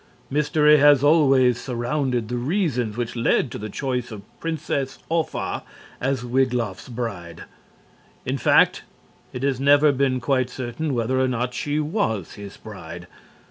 Mystery has always surrounded the reasons which led to the choice of Princess Offa as Wiglaf's bride. In fact, it has never been quite certain whether or not she was his bride.